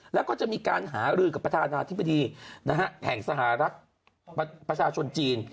แล้วก็จะมีการหารือกับประธานาธิบดีแห่งสหรัฐประชาชนจีน